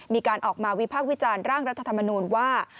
มีการออกมาวิพากษ์วิจารณ์ร่างรัฐธรรมนูญว่า